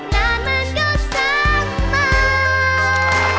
นานมันก็สร้างมา